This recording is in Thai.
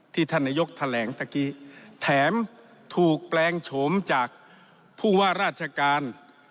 ที่ท่านนโยบายแถมถูกแปลงโฉมจากผู้ว่าราชการ